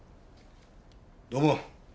土門。